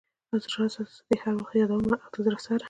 راسه زه دي هر وخت يادومه اخ د زړه سره .